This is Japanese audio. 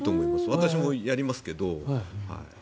私もやりますけど。